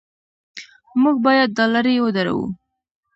موږ باید دا لړۍ ودروو.